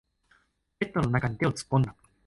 ポケットの中に手を突っ込んだ。